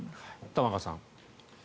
玉川さん。